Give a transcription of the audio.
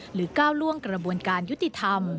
ก้าวล่วงกระบวนการยุติธรรม